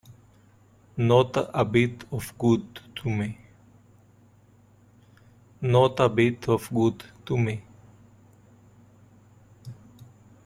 Not a bit of good to me.